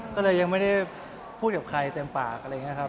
ก็เลยยังไม่ได้พูดกับใครเต็มปากอะไรอย่างนี้ครับ